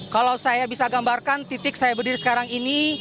kalau saya bisa gambarkan titik saya berdiri sekarang ini